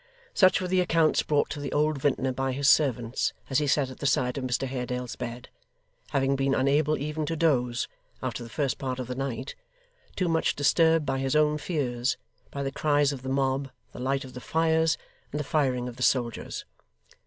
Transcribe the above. Such were the accounts brought to the old vintner by his servants as he sat at the side of Mr Haredale's bed, having been unable even to doze, after the first part of the night; too much disturbed by his own fears; by the cries of the mob, the light of the fires, and the firing of the soldiers.